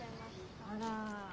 あら。